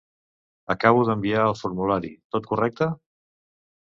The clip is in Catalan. Acabo d'enviar el formulari, tot correcte?